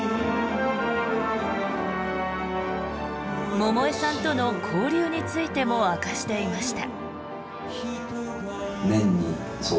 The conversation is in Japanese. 百恵さんとの交流についても明かしていました。